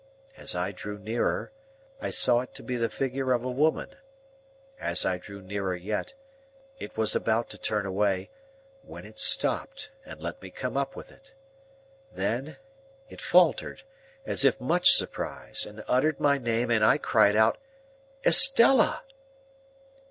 As I drew nearer, I saw it to be the figure of a woman. As I drew nearer yet, it was about to turn away, when it stopped, and let me come up with it. Then, it faltered, as if much surprised, and uttered my name, and I cried out,— "Estella!"